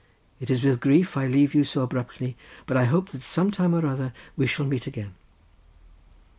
It is with grief I leave you so abruptly, but I hope that some time or other we shall meet again."